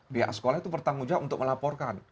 pihak sekolah itu bertanggung jawab untuk melaporkan